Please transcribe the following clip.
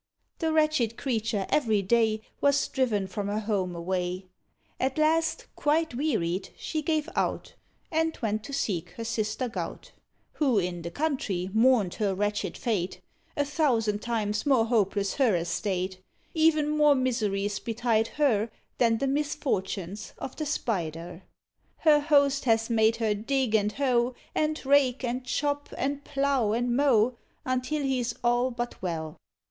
The wretched creature every day Was driven from her home away; At last, quite wearied, she gave out, And went to seek her sister Gout, Who in the country mourned her wretched fate: A thousand times more hopeless her estate; Even more miseries betide her Than the misfortunes of the Spider. Her host has made her dig and hoe, And rake and chop, and plough and mow, Until he's all but well.